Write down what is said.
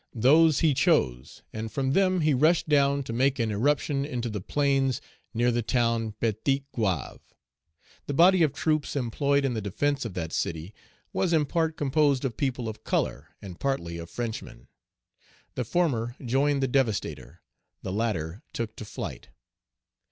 Those he chose, and from them he rushed down to make an irruption into the plains near the town, Petit Goave. The body of troops employed in the defence of that city was in part composed of people of color, and partly of Frenchmen. The former joined the devastator, the latter took to flight.